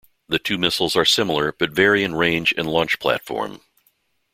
The two missiles are similar, but vary in range and launch platform.